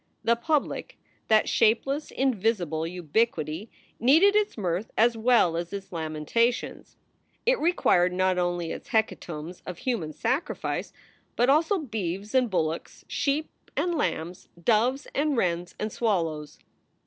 The Public, that shapeless, invisible ubiquity, needed its mirth as well as its lamentations. It required not only its heca tombs of human sacrifice, but also beeves and bullocks, sheep and lambs, doves and wrens and swallows.